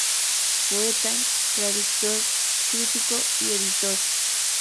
Poeta, traductor, crítico y Editor.